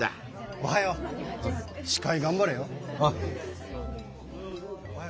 おはよう！司会がんばれよ。